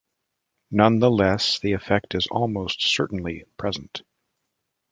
Nonetheless, the effect is almost certainly present.